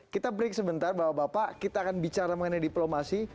kita break sebentar bapak bapak kita akan bicara mengenai diplomasi